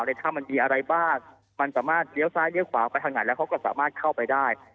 ถ้ำมันมีอะไรบ้างมันสามารถเลี้ยวซ้ายเลี้ยขวาไปทางไหนแล้วเขาก็สามารถเข้าไปได้